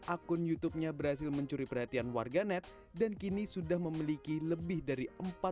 akun youtubenya berhasil mencuri perhatian warga net dan kini sudah memiliki lebih dari empat puluh delapan